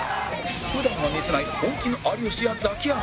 普段は見せない本気の有吉やザキヤマ